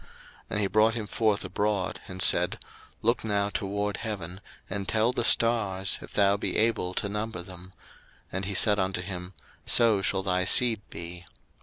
01:015:005 And he brought him forth abroad, and said, Look now toward heaven, and tell the stars, if thou be able to number them: and he said unto him, So shall thy seed be.